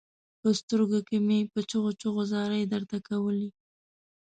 په سترګو کې مې په چيغو چيغو زارۍ درته کولې.